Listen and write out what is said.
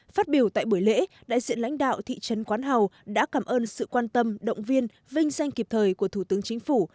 phát biểu tại buổi lễ đại diện lãnh đạo thị trấn quán hào đã cảm ơn sự quan tâm động viên vinh danh kịp thời của thủ tướng chính phủ